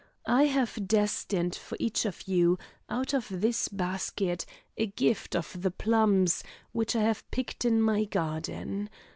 I have destined for each of you, out of this basket, a gift of the plums, which I have picked in my garden.